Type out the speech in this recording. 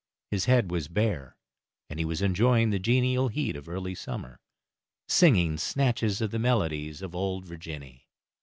His head was bare, and he was enjoying the genial heat of early summer, singing snatches of the melodies of Old Virginny.